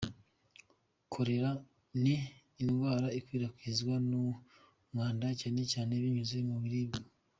Kolera ni indwara ikwirakwizwa n’umwanda cyane cyane binyuze mu biribwa.